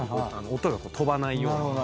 音が飛ばないように。